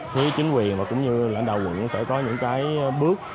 phía chính quyền và cũng như lãnh đạo quận sẽ có những cái bước